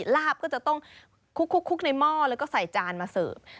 ลาบจะคุกในหม้อแล้วใส่จานมาเสิร์ฟ